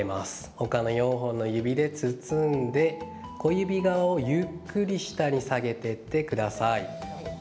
他の４本の指で包んで小指側をゆっくり下に下げていってください。